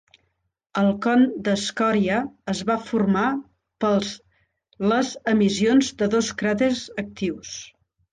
El con d"escòria es va formar pels les emissions de dos cràters actius.